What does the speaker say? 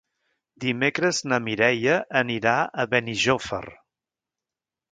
Dimecres na Mireia anirà a Benijòfar.